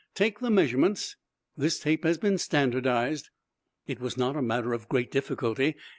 Take the measurements. This tape has been standardized." It was not a matter of great difficulty.